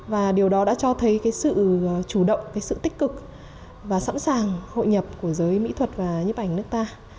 và điều đó đã cho thấy sự chủ động sự tích cực và sẵn sàng hội nhập của giới mỹ thuật và nhấp ảnh nước ta